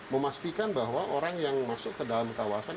memastikan bahwa orang yang masuk ke dalam kawasan